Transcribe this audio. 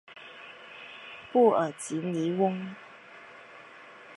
布尔吉尼翁。